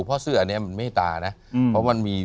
เพราะเสื้ออันนี้มันเมตตานะเพราะมันมี